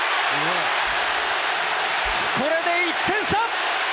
これで１点差！